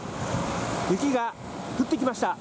雪が降ってきました。